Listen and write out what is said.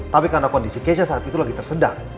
tapi karena kondisi kesnya saat itu lagi tersedak